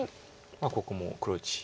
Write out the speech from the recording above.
ここも黒地。